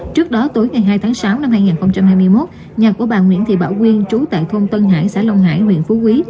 trước đó tối ngày hai tháng sáu năm hai nghìn hai mươi một nhà của bà nguyễn thị bảo quyên trú tại thôn tân hải xã long hải huyện phú quý